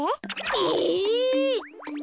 え！